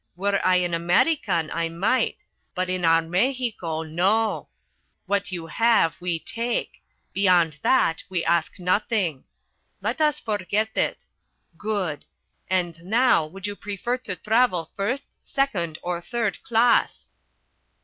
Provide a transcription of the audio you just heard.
Were I an American, I might; but in our Mexico, no. What you have we take; beyond that we ask nothing. Let us forget it. Good! And, now, would you prefer to travel first, second, or third class?"